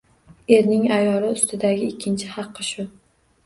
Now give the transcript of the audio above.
Erning ayoli ustidagi ikkinchi haqqi shu.